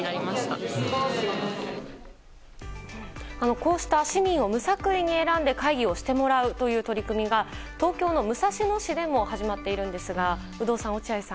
こうした市民を無作為に選んで会議をしてもらうという取り組みが東京の武蔵野市でも始まっているんですが有働さん、落合さん